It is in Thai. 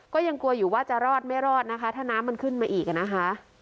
ก็ยังกลัวอยู่ว่าจะรอดไม่รอดนะคะถ้าน้ำมันขึ้นมาอีกอ่ะนะคะ